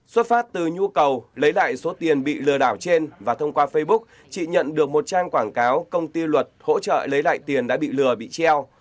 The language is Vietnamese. xuất phát từ nhu cầu lấy lại số tiền bị lừa đảo trên và thông qua facebook chị nhận được một trang quảng cáo công ty luật hỗ trợ lấy lại tiền đã bị lừa bị treo